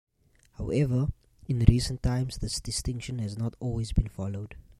However, in recent times this distinction has not always been followed.